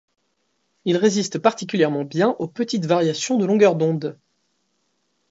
Ils résistent particulièrement bien aux petites variations de longueur d'onde.